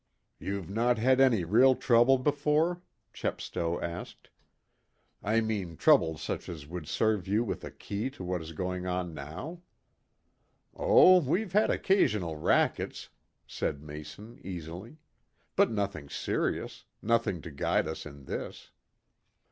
"You've not had any real trouble before?" Chepstow asked. "I mean trouble such as would serve you with a key to what is going on now?" "Oh, we've had occasional 'rackets,'" said Mason easily. "But nothing serious nothing to guide us in this.